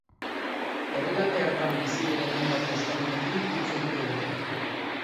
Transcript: Herrialde hartan bizi diren hainbat euskaldunekin hitz egingo dute.